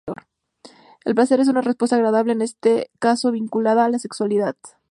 El placer es una respuesta agradable, en este caso vinculada a la sexualidad.